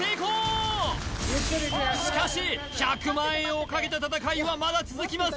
しかし１００万円をかけた戦いはまだ続きます